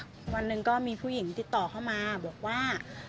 วันหนึ่งก็มีผู้หญิงติดต่อเข้ามาบอกว่า